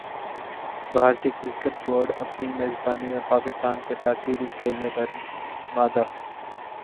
بھارتی cricket board اپنی میزبانی میں پاکستان کیساتھ سیریز کھیلنے پر مادہ